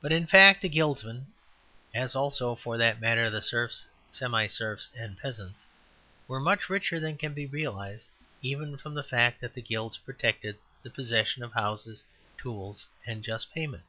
But in fact the Guildsmen (as also, for that matter, the serfs, semi serfs and peasants) were much richer than can be realized even from the fact that the Guilds protected the possession of houses, tools, and just payment.